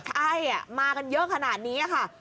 ใช่มากันเยอะขนาดนี้ค่ะ